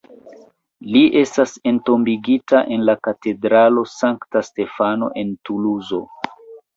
Li estas entombigita en la Katedralo Sankta Stefano en Tuluzo.